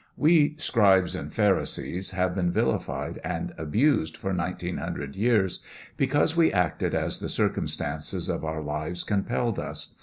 We scribes and pharisees have been vilified and abused for nineteen hundred years because we acted as the circumstances of our lives compelled us.